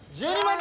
１２万